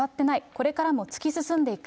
これからも突き進んでいく。